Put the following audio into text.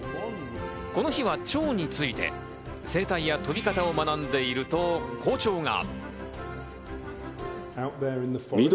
この日は、チョウについて。生態や飛び方を学んでいると校長が。